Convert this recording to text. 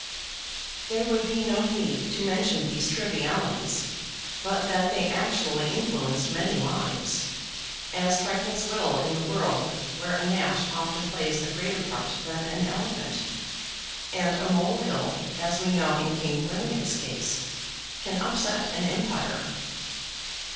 There would be no need to mention these trivialities, but that they actually influenced many lives, as trifles will in the world, where a gnat often plays a greater part than an elephant, and a mole hill, as we know in King William's case, can upset an empire.